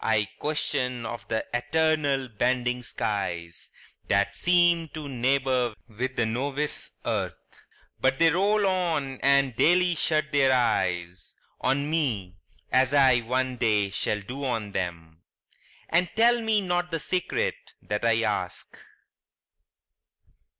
I question of th' eternal bending skies That seem to neighbor with the novice earth; But they roll on, and daily shut their eyes On me, as I one day shall do on them, And tell me not the secret that I ask.